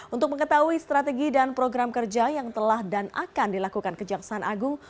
untuk mengetahui strategi dan program kerja yang telah dan akan dilakukan kejaksaan agung